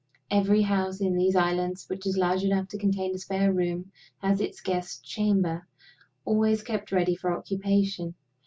Every house in these islands which is large enough to contain a spare room has its Guests' Chamber, always kept ready for occupation.